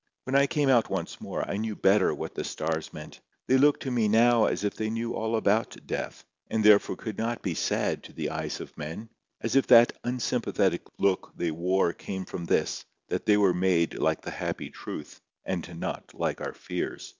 When I came out once more, I knew better what the stars meant. They looked to me now as if they knew all about death, and therefore could not be sad to the eyes of men; as if that unsympathetic look they wore came from this, that they were made like the happy truth, and not like our fears.